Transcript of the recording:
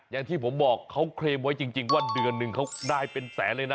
อย่างที่ผมบอกเขาเคลมไว้จริงว่าเดือนหนึ่งเขาได้เป็นแสนเลยนะ